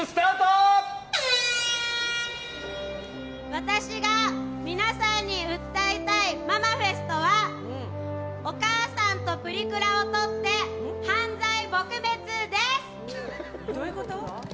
私が皆さんに訴えたいママフェストはお母さんとプリクラを撮って犯罪撲滅です！